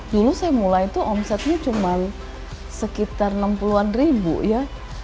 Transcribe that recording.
dulu saya mulai tuh omsetnya cuma sekitar enam puluh an ribu ya